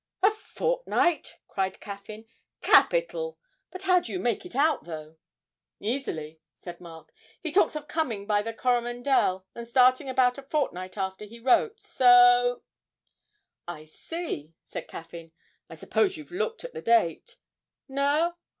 'A fortnight!' cried Caffyn. 'Capital! But how do you make it out, though?' 'Easily,' said Mark; 'he talks of coming by the "Coromandel" and starting about a fortnight after he wrote so ' 'I see,' said Caffyn; 'I suppose you've looked at the date? No?